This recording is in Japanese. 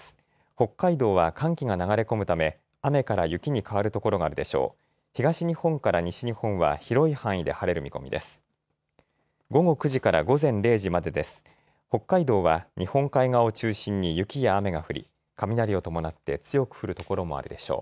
北海道は寒気が流れ込むため雨から雪に変わる所があるでしょう。